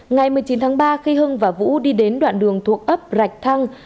ngày một mươi chín tháng ba khi hưng và vũ đi đến đoạn đường thuộc ấp rạch thăng